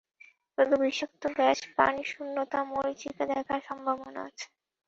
শুধু বিষাক্ত গ্যাস, পানিশূন্যতা, মরিচীকা দেখার সম্ভাবনা আছে।